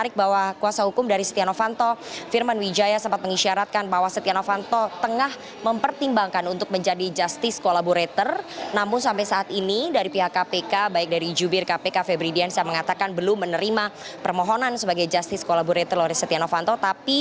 tim kuasa hukumnya juga mengisyaratkan novanto masih mempertimbangkan menjadi justice kolaborator apalagi kpk sedang menyelidiki keterlibatan keluarga mantan ketua umum golkar ini